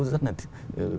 rất là thiệt